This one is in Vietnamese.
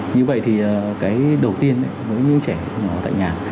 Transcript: như vậy thì cái đầu tiên với những trẻ nhỏ tại nhà